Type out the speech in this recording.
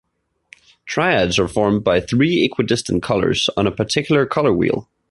Triads are formed by three equidistant colors on a particular color wheel.